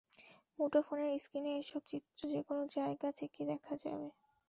মুঠোফোনের স্ক্রিনে এসব চিত্র যেকোনো জায়গা থেকে দেখা যাবে।